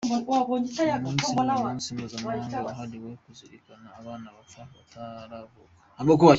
Uyu munsi ni umunsi mpuzamahanga wahariwe kuzirikana abana bapfa bataravuka.